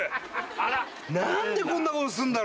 あら何でこんなことすんだろ